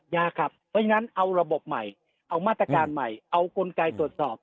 ยากครับเพราะฉะนั้นเอาระบบใหม่เอามาตรการใหม่เอากลไกตรวจสอบ